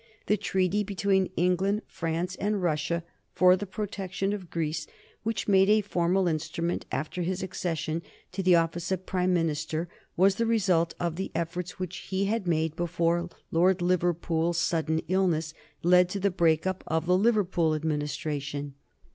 The treaty between England, France, and Russia for the protection of Greece, which became a formal instrument after his accession to the office of Prime Minister, was the result of the efforts which he had made before Lord Liverpool's sudden illness led to the break up of the Liverpool Administration.